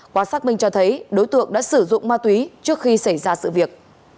quá sắc minh cho thấy đối tượng đã sử dụng ma túy trước khi xảy ra sự việc